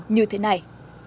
như thế này